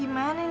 ya itu dong